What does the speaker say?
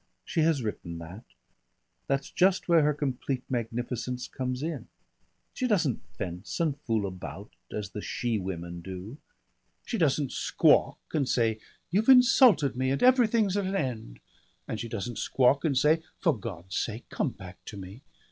"She has written that.... That's just where her complete magnificence comes in. She doesn't fence and fool about, as the she women do. She doesn't squawk and say, 'You've insulted me and everything's at an end;' and she doesn't squawk and say, 'For God's sake come back to me!'